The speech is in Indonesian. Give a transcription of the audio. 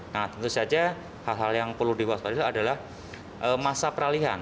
nah tentu saja hal hal yang perlu diwaspadai adalah masa peralihan